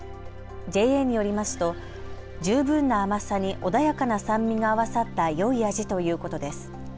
ＪＡによりますと十分な甘さに穏やかな酸味が合わさったよい味ということです。